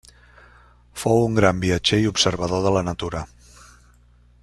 Fou un gran viatger i observador de la natura.